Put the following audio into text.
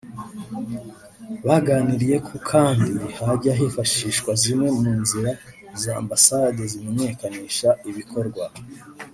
Baganiriye ko kandi hajya hifashishwa zimwe mu nzira za Ambasade zimenyekanisha ibikorwa